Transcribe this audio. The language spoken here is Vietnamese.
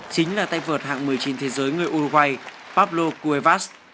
chính là tay vượt hạng một mươi chín thế giới người uruguay pablo cuevas